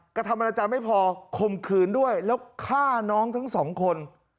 กระทำอนาจารย์ไม่พอคมขืนด้วยแล้วฆ่าน้องทั้งสองคน